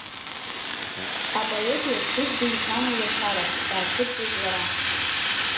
Апоети аԥҳәызбеи Ишаноу лашаран, даацәырҵуеит лара…